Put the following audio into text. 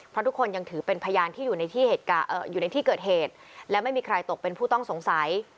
เพราะทุกคนยังถือเป็นพยานที่อยู่ในที่เกิดเหตุและไม่มีใครตกเป็นผู้ต้องสงสัย